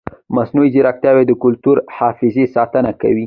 مصنوعي ځیرکتیا د کلتوري حافظې ساتنه کوي.